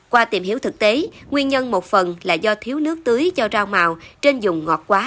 qua tìm hiểu thực tế nguyên nhân một phần là do thiếu nước tưới cho rau màu trên dùng ngọt quá